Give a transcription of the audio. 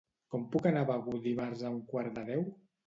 Com puc anar a Begur dimarts a un quart de deu?